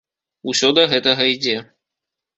Усе да гэтага ідзе.